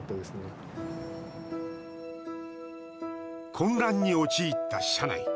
混乱に陥った車内。